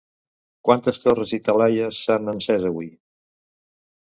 Quantes torres i talaies s'han encès avui?